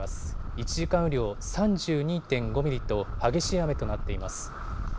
１時間雨量、３２．５ミリと激しい雨となっています。